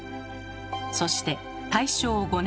そして大正５年。